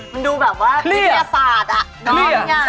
มันดูแบบว่าพิเศษศาสตร์อะ